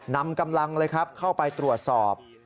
นำกำลังเลยครับเข้าไปตรวจสอบ